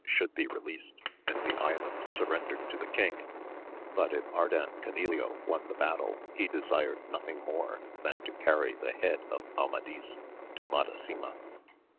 should be released and the island surrendered to the king ; but if Ardan Ganileo won the battle he desired nothing more than to carry the head of Amadis to Madasima.